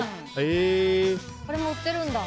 これも売ってるんだ。